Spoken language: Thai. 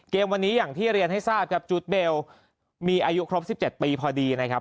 วันนี้อย่างที่เรียนให้ทราบครับจูดเบลมีอายุครบ๑๗ปีพอดีนะครับ